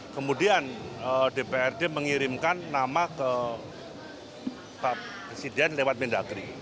kemudian dprd mengirimkan nama ke pak presiden lewat mendagri